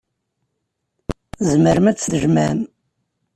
Tzemrem ad tt-tjemɛem.